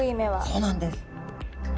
そうなんです。